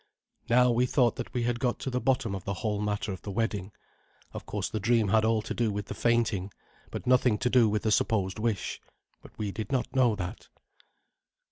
Now we thought that we had got to the bottom of the whole matter of the wedding. Of course the dream had all to do with the fainting, but nothing to do with the supposed wish. But we did not know that.